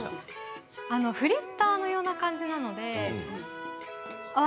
フリッターのような感じなので本当？